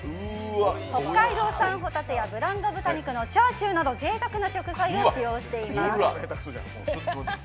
北海道産ホタテやブランド豚肉のチャーシューなど贅沢な食材を使用しています。